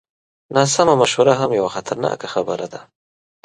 ناسمه مشوره هم یوه خطرناکه خبره ده.